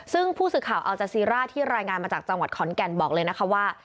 ซึ่งผู้สื่อข่าวอัลจาซีร่าที่รายงานมาจากจังหวัดขอนแก่นบอกเลยนะคะว่า